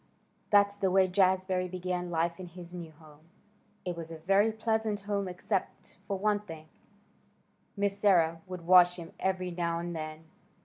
That's the way Jazbury began life in his new home. It was a very pleasant home except for one thing; Miss Sarah would wash him every now and then.